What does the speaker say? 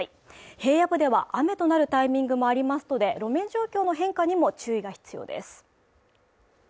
平野部では雨となるタイミングもありますので、路面状況の変化にも注意が必要です。